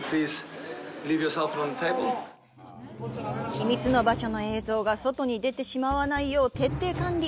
秘密の場所の映像が外に出てしまわないよう徹底管理。